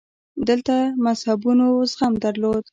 دلته مذهبونو زغم درلود